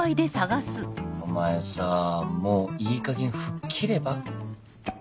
お前さぁもういいかげん吹っ切れば？